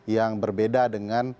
yang berbeda dengan